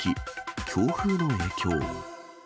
強風の影響。